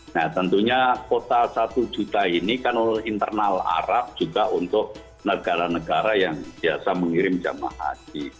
nah tentunya kuota satu juta ini kan internal arab juga untuk negara negara yang biasa mengirim jamaah haji